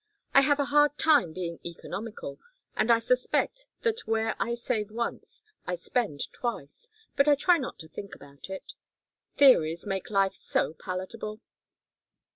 I have a hard time being economical, and I suspect that where I save once I spend twice, but I try not to think about it. Theories make life so palatable!